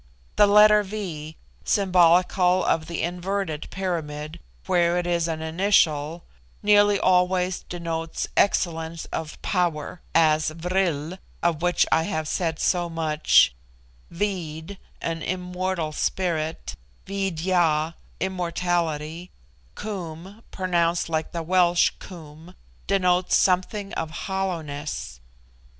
The letter V, symbolical of the inverted pyramid, where it is an initial, nearly always denotes excellence of power; as Vril, of which I have said so much; Veed, an immortal spirit; Veed ya, immortality; Koom, pronounced like the Welsh Cwm, denotes something of hollowness.